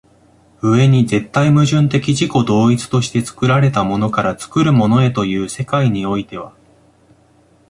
上に絶対矛盾的自己同一として作られたものから作るものへという世界においては